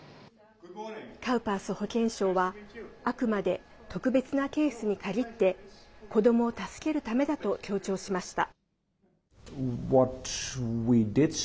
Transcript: カウパース保健相はあくまで特別なケースに限って子どもを助けるためだと強調しました。